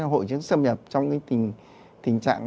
hội chứng xâm nhập trong cái tình trạng